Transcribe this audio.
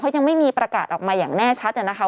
ยังไม่มีประกาศออกมาอย่างแน่ชัดนะคะ